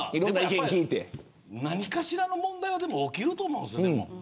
何かしらの問題は起きると思うんです。